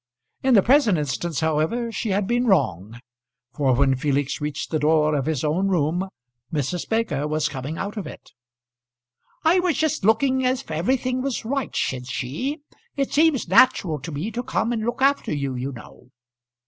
In the present instance, however, she had been wrong, for when Felix reached the door of his own room, Mrs. Baker was coming out of it. "I was just looking if everything was right," said she. "It seems natural to me to come and look after you, you know."